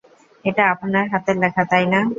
এটা আপনার হাতের লেখা, তাই না?